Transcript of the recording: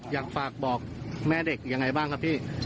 อยากฝากบอกแม่เด็กยังไงบ้างครับพี่